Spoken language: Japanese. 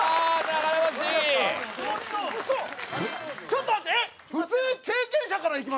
ちょっと待ってえっ？